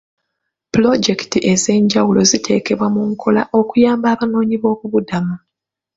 Puloojekiti ez'enjawulo ziteekebwa mu nkola okuyamba abanoonyi b'obubuddamu.